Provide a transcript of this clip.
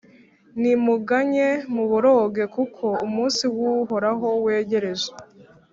Nimuganye, muboroge, kuko umunsi w’Uhoraho wegereje,